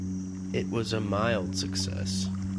It was a mild success.